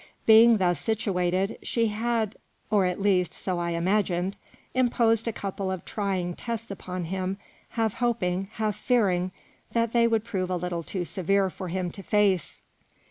Being thus situated, she had (or, at least, so I imagined) imposed a couple of trying tests upon him, half hoping, half fearing that they would prove a little too severe for him to face.